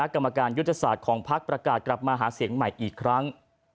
กรรมการยุทธศาสตร์ของพักประกาศกลับมาหาเสียงใหม่อีกครั้ง